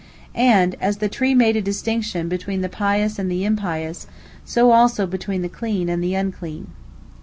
And as the tree made a distinction between the pious and the impious, so also between the clean and the unclean.